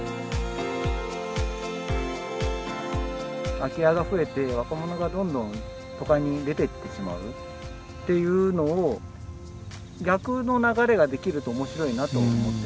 空き家が増えて若者がどんどん都会に出ていってしまうっていうのを逆の流れができると面白いなと思っています。